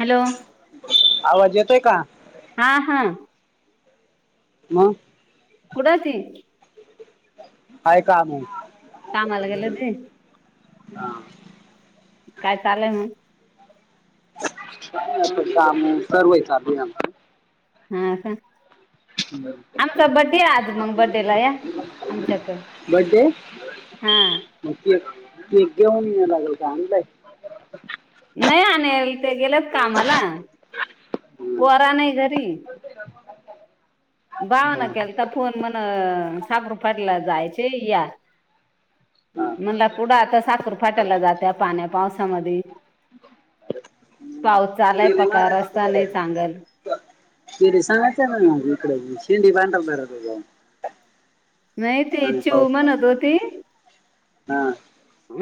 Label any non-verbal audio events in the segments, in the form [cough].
Hello आवाज येतोय का? हा-हा [inaudible] कुठंय ती? काय काम ये? कामाला गेलं ते होय. हा. काय चालय मग? [unintelligible] काम सर्वे चालू हे आमचा. हा का. आमचा बड्डे आज मग बड्डेला या आमच्यात [inaudible] बड्डे? हा. मग केक, केक घेऊन यावा लागल का आणलाय? नइ आनेल ते गेलेत कामाला, पोरा नाही घरी. भावान हां केलता फोन म्हण, साकर फाटला जायचय या. हां म्हणला पुढं आता साखूर फाट्याला जात्या, पाण्या पावसामध्ये. पाऊस चालाय पका रस्ता नाही चांगल. शिडी सांगायच ना इकडे शेंडी पांडल तर जाऊन. नइ ते आणि चिऊ म्हणत होती हा.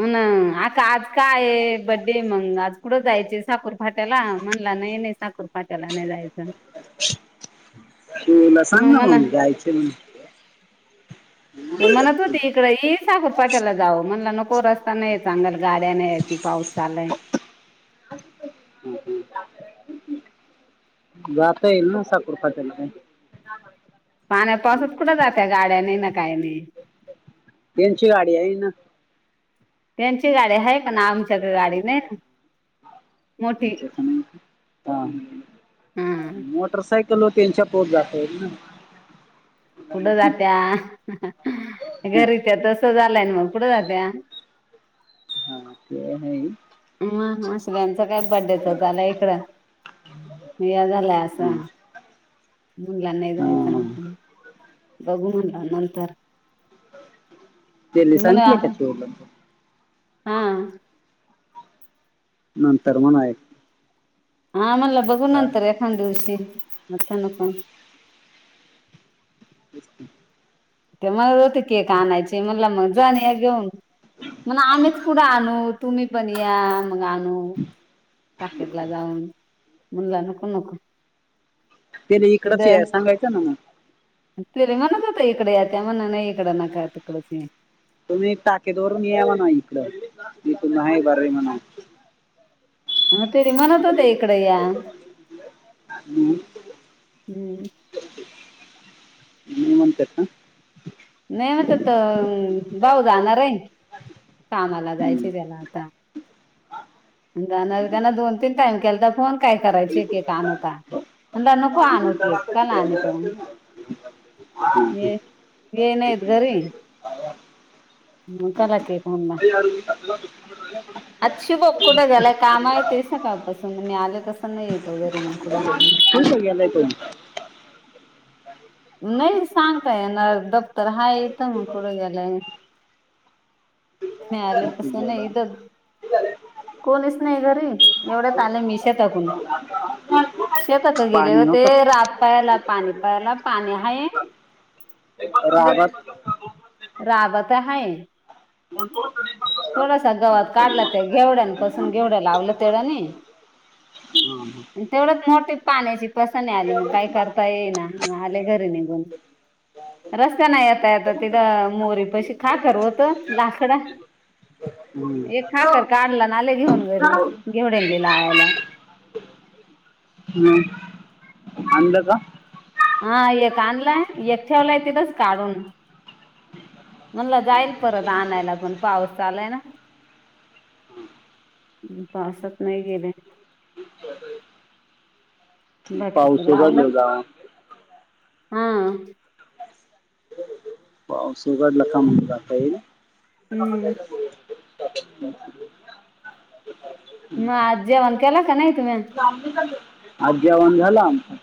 अन आका आज काय बड्डे मग, आज कुठं जायचे साखूर फाट्याला. म्हणला नई नई साखूर फाट्याला नई जायचं. चिवीला सांग ना मग जायचं म्हण. ती म्हणत होती इकडे इ, साखुरफाट्याला जाऊ म्हणला नक तो रस्ता नाही चांगल, गाड्या नाही ती पाऊस चालय. हा हा. जात येल ना साखुर फाट्याला मग. पाण्या पावसात कुठं जात्या गाड्या नाही ना काही नाही. यांची गाडी आहे ना. त्यांची गाडी आहे पण आमच्याकड गाडी नाही ना. मोठी तुमच्याकडं नई, हा. हा मोटारसायकल [unintelligible] त्यांच्या पोत जाता येईल ना. कुठं जात्या. घरी हा, त्या तस झालंय अन् मग कुठं जात्या. [inaudible] हा, ते हाइ. मग मसऱ्यांचा काय बड्डेच झाला इकडं. या झालाय हा, असा. मुला नाही जायचं हा. आणखीन. बघू म्हणला नंतर. तिले म्हण सांगितले का चिवीला? हा. नंतर म्हणाय. हा म्हणलं बघू नंतर एखादं दिवशी, आता नको. [unintelligible] ते मग होते केक आणायचे म्हणलं मग जा ना या घेऊन. मन आम्हीच कुठं आणू. तुम्ही पण या मग आणू, ताकीतला जाऊन. मनला नको नको. तेला इकडच याय सांगायचं ना मग. तिले म्हणत होतो इकडे या्, त्या म्हण नाही इकडे नका तीकडंच या. तुम्ही टाकेदरून या म्हणाव इकडं, इथून हाय बरळी म्हणव. अ त्यांनी म्हणत होते इकड या, हम्म. हम्म. मी म्हणतात ना? नाही म्हणत्यात भाऊ जाणार हाय. कामाला हम्म. जायचय त्याला आता. जाणार त्यांना दोन तीन टाइम केलता फोन. काय करायचे केक आणू का? म्हणलं नको आणू केक, कायला आणितो. हम्म हम्म. हे नईत घरी. मग कला केक म्हणला. आज शिभम कुठे गेलाय काम हायती सकाळ पासण? मी आले कसं नाहीं येतों तंसा आलां आहे तो नाहीं सांगतां येणारं दफ्तर हां येतं मंग कुठं गेलायं नाहीं आले तंस कुठं नाहीं गेला इदं कोणीचं नाहीं घरी एवढ्यांत आले मिशा टाकूंन शेतांत गेले हो पाणी ते होतं रांत पायेणा पाणी पायेला राहतात तिथं राबांत आहे को ब [unintelligible] थोडांसा गवांत काढलां ते घेवड्यांनी पासूंन घेवड्यां लावलं तेवढंयांनी हम्मं तेवढंच मोठी पाण्यांची पसने आली मंग कांहीं करतां येई नां मंग आले घरी निघूनं रस्त्यां नाहीं येतां येतां तिथं मोरी पाशी खां खरवतं लाकडां एक खांकर काढंला आले घेऊंन घरी घेवडे यांला लावायंला हम्मं आंनल कां हां एक आणलांय एक ठेवलांय तिथंच काढूंन म्हणलं जाईल परंत आणांयला पणं पाऊस चालूं आहे नां पावसांत नाहीं गेले बाकीच पाऊसं उगडंला की जां हां पाऊस ऊगडलां की मंग जातां येईल [unintelligible] हम्म मं आंज जेवणं केलं कां नाहीं तुम्हीं आंज जेवणं झालं आमचं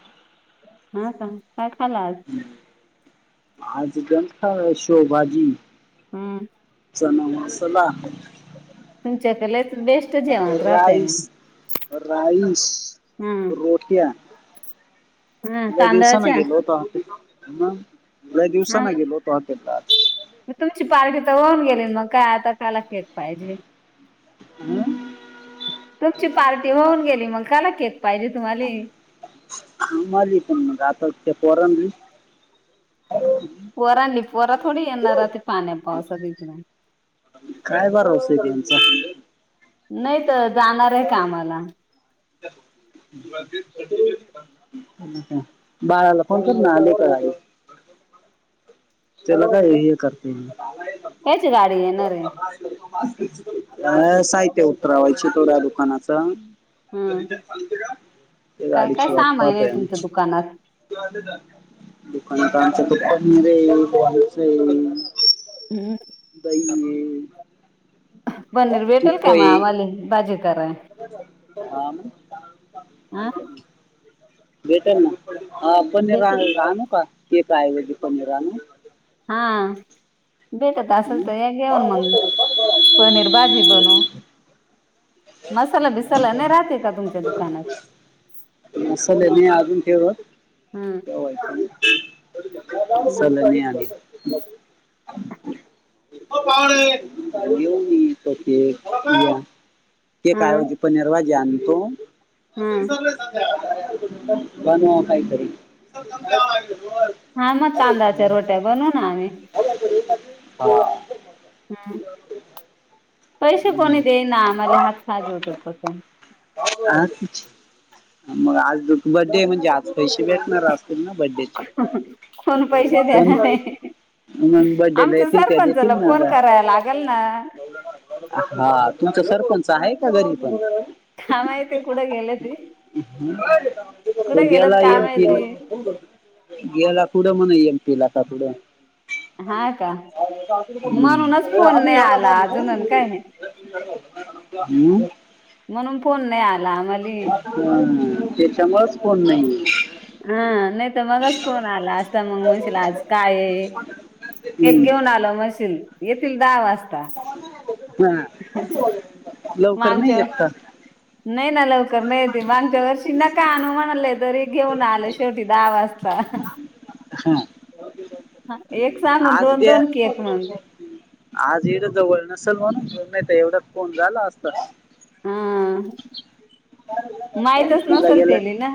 हां कां कायं खाल्लं आंज आंज गंण खांल आहे शेवची भांजी हम्मं चनां मसांला तुमच्यांत लईच बेस्टं राईस राईस रो यां हा हा लंय दिवसांना तांदळाच्या गेलतो आम्हीं हंम लंय दिवसांना गेलोतो आम्हीं वाखेतात मंग तुमंची पार्टी तरं होऊंन गेली मंग कायं आतां कायलां केक पाहिजे हम्मं तुमंची पार्टी होंंऊंन गेली मंग कांयले केक पाहिजे तुम्हांले आमझंरी पणं रांत ते पोरंणली पोरांली पोरां थोडी येणांरी पाण्यां पावसाने तिथूंन कायं भरंवसां त्यांचां नाहीं तरं जाणारं आहे कामांला बारांला कोणं तंच नां आले तरं चलां कायं हे करतें कांयची गांडी येणारं आहे अं साहित्य उतरावयाचे थोडं दुकानांचं हम ते गांडीची वांट पाहतोयं आम्हीं दुकानांत दुकानांत आमच्यां दुकान येईलं लेस येईल हम्मं दही ये बंदर भेटलं कायं आम्हांले भांजी करायले हम हा [unintelligible] भेटलं नां की पणं ते भेटल रांणात असते की कायं ते रांणात हा भेटत असल हम्म. तर या घेऊन मग पनीर भाजी बनू मसाला बिसाला नाही राहते का तुमच्या दु दुकानात. ले मी अजून ठेवय. हम्म सर हम्म नाही आलीत. ओ पावन येऊ दे बर आहे काय? तेकाएवजी पनीर भाजी आणतो. हा. बनव खय तरी. हा म चांदाचे रोट्या बनव ना आमही. हो. हम् पैसे कोणी दे ना आम्हाला हात साज होतात फस आ मग आज बड्डे म्हणजे आज पैसे भेटणार असतील ना बडडे. कोण पैसे दे्याणार नाही. मग बड्डेला आमच्या येतील त्या सरपंचला देतील फोन ना. कराय लागेल ना... हा तुमचा सरपंच आहे का घरी पण? काय माहिती कुठे गेले ते. तो कुठे गेलेत गेला काय एसटीने. माहिती? गेला कुठं म्हण एम पी ला का कुठं. हा का म्हणूनच फोन नाही आला अजून अन काय? [unintelligible] हम्म. म्हणून फोन नाही आला आम्हाले. हम्म... त्याच्यामुळेच फोन नाही. हा नाही तर मलाच फोन आला असता मग म्हणशील आज काय आहे? केक हम्म घेऊन आल म्हशील. येतील दहा वाजता हा लवकर नाही मागच्या येत का? नाही ना लवकर नाही येत. मागच्या वर्षी नका आणू म्हणले तरी घेऊन आले शेवटी दहा वाजत. [unintelligible] [unintelligible] [inaudible] हा सांगून दोन आजबी. दोन केक मग आज इड जवळ नसेल म्हणून नाही एवढा फोन झाला असता. हा एम माहीतच नसेल त्याले ना...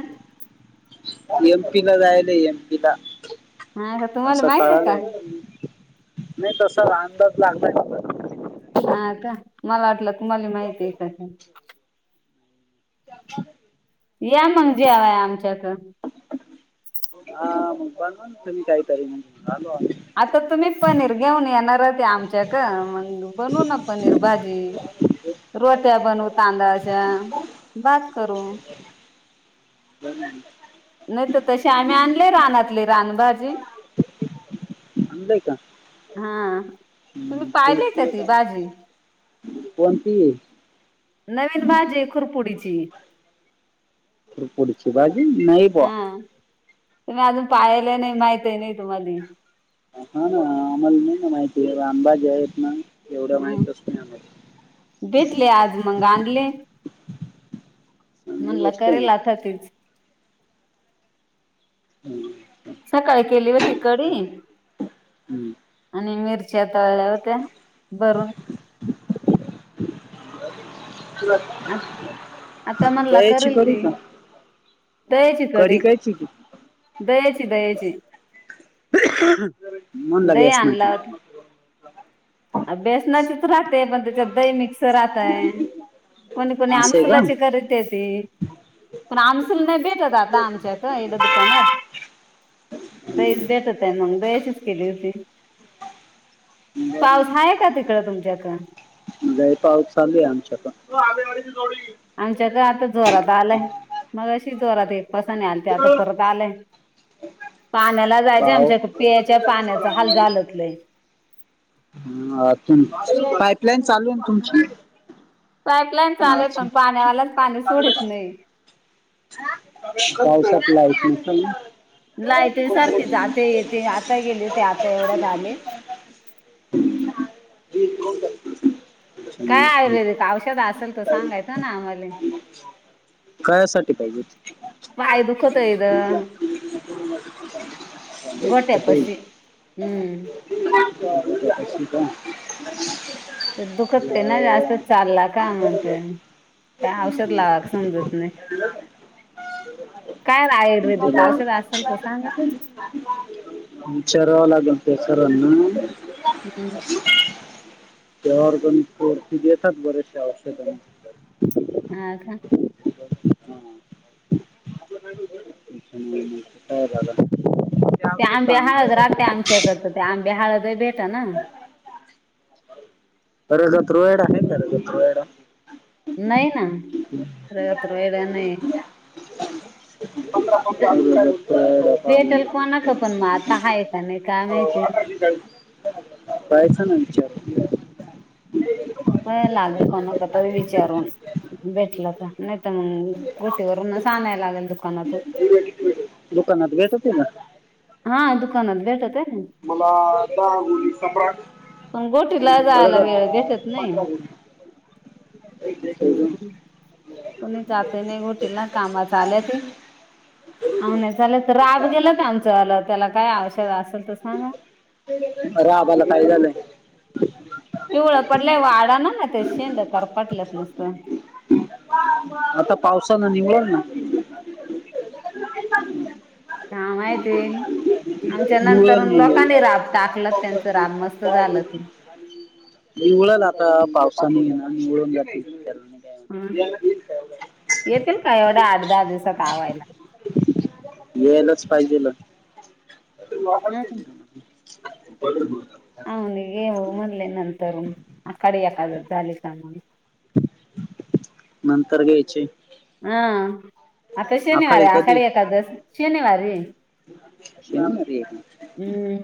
एमपी ला जायले एमपी ला. हा का तुम्हाला असं माहित आहे का कळालंय नाही तस अंदाज लागलाय. हा का मला वाटलं तुम्हाला माहिती आहे काय? [inaudible] या मग जेवाय आमच्याकडे.. हा बनवा ना तुम्ही काहीतरी मग आलो आम्ही. आता तुम्ही पनीर घेऊन येणार ते आमच्याकडे मग बनवू ना पनीर भाजी. रोट्या बनवू तांदळाच्या भात करू. [inaudible] नाही तर तसे आम्ही आणले रानातले रानभजी. असय का. हा.... तुम्ही हम्म, तेच पाहिले का म्हटलं ती काय भाजी. कोणती? नवीन भाजी आहे खुरपुडीची. खुरपुडीची भाजी. बुवा हा तुम्ही अजून पाहिले नाही. माहितही नाही तुम्हाला. हा ना आम्हाला नाही ना माहिती आहे आंबा जे आहेत ना. एवढा हम्म माहित नाही आम्हाला. भेटले आज मग आणले [unintelligible] म्हणलं गोष्ट आहे मग करेल आता तीच. [unintelligible] सकाळी केली होती कडी हम्म. आणि मिर च्या कळल्या होत्या. भरून. आ- आता म्हणला दह्याची करेल कढी ती का? कडी कायची के दयची दयची. ह हा. म्हणलं दही बेसनाची. बेसनाचेच राहते. पण त्याच्यात दही मिक्स राहतय. कोणी कोणी असं आहे का आमसुलाची करत्याते. पण आमसूल नाही भेटत आता. आम च्याक. ईडं दुकानात. दहीच भेटतय मग दह्याचीच केली होती बरं पाऊस हाये का तिकड तुमच्याकड? लई पाऊस चालूये. आमच्याक. आमच्याकडे आता जोरात आलाय. मगाशी जोरात येत [unintelligible] आलते. आता परत आलंय. पाण्याला जायचे. पाव आमच्याक पियाच्या पाण्याचा हाल झालत लइ. हा, पाईपलाईन चालूय ना तुमची. पाईपलाईन चालूय अच्छा पण, पाण्यावालाच पाणी सोडीत नाही. पाऊसात लाईट नसेल ना. लाईटय सारखी जाते येते. आताय गेली होते. आता एवढ्या आले. काय त्याच्यामुळे. आयुर्वेदिक औषध असेल, त सांगायचं ना आम्हाले. पाय पाहिजेत. दुखतोय इथं [inaudible] [inaudible] गोट्यापशी हम्म का [inaudible] दुखतय ना जास्त या- चालला का? म्हतेय मी. काय औषध लावा समजत नाही. काय आयुर्वेदिक औषध असेल तर सांगा. विचारावा लागल ते करना. हम्म. तेव्हा तीेतात बरेसे औषधण. [inaudible] हा का? काय [inaudible] ते आंब्ये चांगलं हळद आहे बरं राहते आमच्याकत, ते आंब्ये हळदय भेटा ना. का. रगत रोडा आहे का? रगत रोडा. नाही ना. रगत रोहीडा नये. ंरा [inaudible] भेटल कोणाक पण म, आता हाये का नाही काय माहिती. पायच ना विचारुन. [inaudible] पाहायला लागल कोणाक तरी विचारून. भेटल त. नाही त मग घोटीवरूनच आणायला लागेल दुकानातून. दुकानात भेटते ना. हा दुकानात भेटातय ना. मला दहा गोणी सम्राट. पण आणि गोटीला बरं जायला का? वेळ मिळत नाही. पंधरा गोळी कोणी जाते नाही घोटीला. कामा चाल्या ती. अवने चाले त राब गेला होता आमचं वालं. त्याला काय औषध असेल तर सांगा. राबाला काय झालंय? पिवळ पडलंय वाडा ना. ते शेंड करपटलेत नुसत. आता पावसानं निवळल ना. काय माहितीन आमच्या निवळल नंतर निवळल लोकांनी राब टाकलं त्यांचं राब मस्त दहा झालं गोळी ते निवळल आता पावसाने ये ना निवळून जाते. काय होणार. हम्म याला येईल काय येतील का एवढ्या आठ दहा दिवस लावायला येयलाच पाहिजे ना [unintelligible] अन येवू म्हटले नंतर आकाड एकादस झाली [unintelligible] नंतर घ्यायचे हह आता आखाडी शनिवारी कधी? आकड एकादस शनिवारी [unintelligible] हम्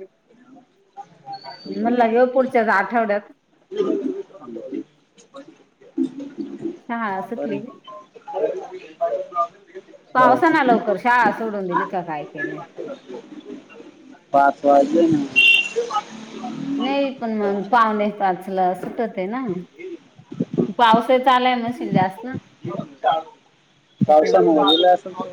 तवा त्यांच आठवड्यात [unintelligible] मित्र म्हटटले [unintelligible] ये हा असं सुटली गन पावसाना लवकर शाळा सोडून दिली का काय केली? पाच वाजले ना नाही पण मग पावणे पाचलं सुटत ते ना पावसाच आलाय नी जास्त ना येऊन जा हेच्या मुळे ह